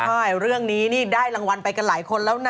เลยอย่างนี้ได้รางวัลไปกันหลายคนแล้วนะ